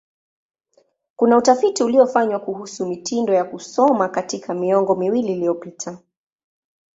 Kuna utafiti uliofanywa kuhusu mitindo ya kusoma katika miongo miwili iliyopita.